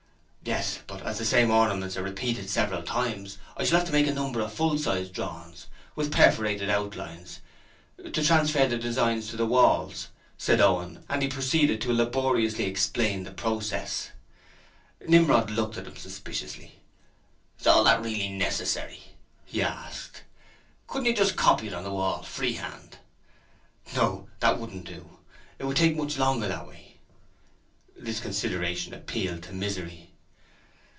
'Yes: but as the same ornaments are repeated several times, I shall have to make a number of full sized drawings, with perforated outlines, to transfer the design to the walls,' said Owen, and he proceeded to laboriously explain the processes. Nimrod looked at him suspiciously. 'Is all that really necessary?' he asked. 'Couldn't you just copy it on the wall, free hand?' 'No; that wouldn't do. It would take much longer that way.' This consideration appealed to Misery.